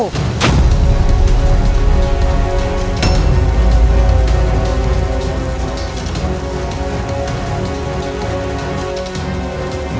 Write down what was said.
mereka menyerang bikku